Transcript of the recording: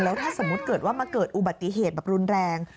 แล้วถ้าสมมุติเกิดว่ามาเกิดอุบัติเหตุแบบรุนแรง